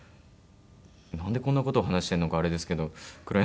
なんでこんな事を話してるのかあれですけど黒柳さんに。